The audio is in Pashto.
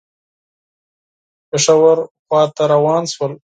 پېښور خواته روان شول.